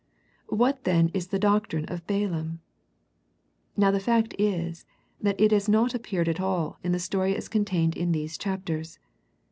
What then is the doctrine of Balaam? Now the fact is that it has not appeared at all in the story as contained in these chapters.